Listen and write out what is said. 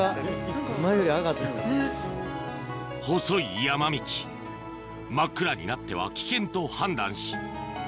細い山道真っ暗になっては危険と判断し